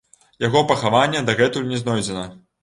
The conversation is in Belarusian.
Яго пахаванне дагэтуль не знойдзена.